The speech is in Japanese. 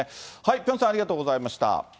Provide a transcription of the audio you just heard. ピョンさん、ありがとうございました。